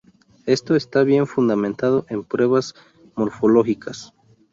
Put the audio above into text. Esto está bien fundamentado en pruebas morfológicas.